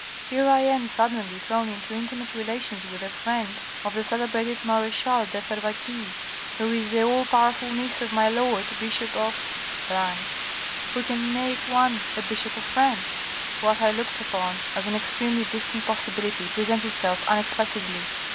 "Here I am suddenly thrown into intimate relations with a friend of the celebrated mare'chale de Ferva ques, who is the all powerful niece of my lord, bishop of A POWERFUL MAN 481 who can make one a bishop of France. What I looked upon as an extremely distant possibility presents itself unexpectedly.